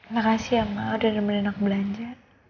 makasih ya mama udah nemenin aku belanja